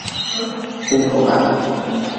Kunfoga.